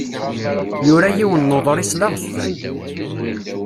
Yura yiwen n uḍris d aɣezzfan.